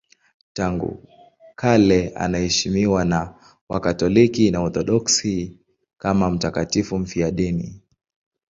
Tangu kale anaheshimiwa na Wakatoliki na Waorthodoksi kama mtakatifu mfiadini.